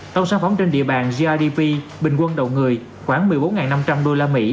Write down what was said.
tổng sản phẩm trên địa bàn grdp bình quân đầu người khoảng một mươi bốn năm trăm linh usd